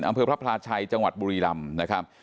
อำเภอพระพลาชัยจังหวัดบุรีรำนะครับ